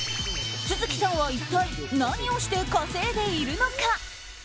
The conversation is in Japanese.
續さんは、一体何をして稼いでいるのか。